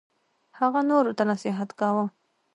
هغه نورو ته نصیحت کاوه.